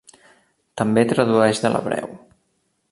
També tradueix de l'hebreu.